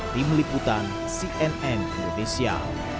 tim liputan cnn indonesia